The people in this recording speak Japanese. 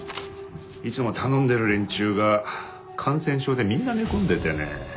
いつも頼んでる連中が感染症でみんな寝込んでてね